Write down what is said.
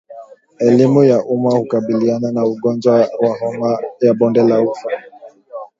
Elimu kwa umma hukabiliana na ugonjwa wa homa ya bonde la ufa